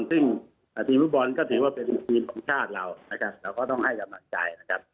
ซึ่งทีมฟุตบอลก็ถือว่าเป็นทีมของชาติเรานะครับเราก็ต้องให้กำลังใจนะครับ